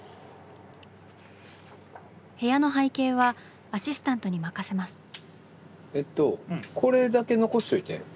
部屋の背景はアシスタントに任せます。